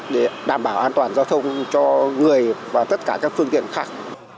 để đảm bảo an toàn giao thông cho người và tất cả các phương tiện khác